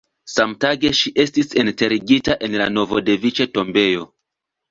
Samtage ŝi estis enterigita en la Novodeviĉe-tombejo.